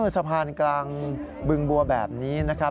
สะพานกลางบึงบัวแบบนี้นะครับ